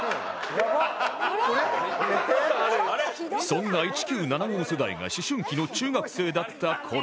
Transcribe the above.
そんな１９７５世代が思春期の中学生だった頃